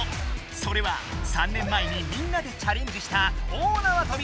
それは３年前にみんなでチャレンジした大なわとび